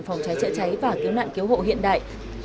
phòng cháy chữa cháy và cứu nạn cứu hộ hiện đại